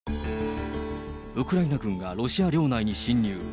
ウクライナ軍がロシア領内に侵入。